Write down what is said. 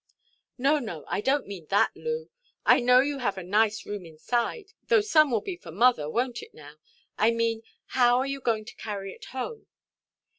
"No, no, I donʼt mean that, Loo. I know you have a nice room inside; though some will be for mother, wonʼt it, now? I mean, how are you going to carry it home?"